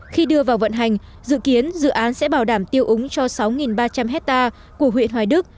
khi đưa vào vận hành dự kiến dự án sẽ bảo đảm tiêu úng cho sáu ba trăm linh hectare của huyện hoài đức